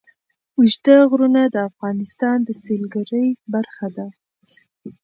اوږده غرونه د افغانستان د سیلګرۍ برخه ده.